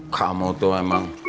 kamu tuh emang